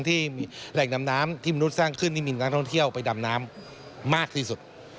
ที่มีแหล่งดำน้ำที่มนุษย์สร้างขึ้นที่มีนักท่องเที่ยวไปดำน้ำมากที่สุด